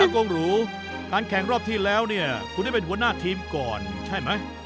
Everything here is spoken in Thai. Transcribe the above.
กงหรูการแข่งรอบที่แล้วเนี่ยคุณได้เป็นหัวหน้าทีมก่อนใช่ไหม